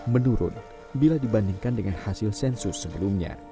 menurun bila dibandingkan dengan hasil sensus sebelumnya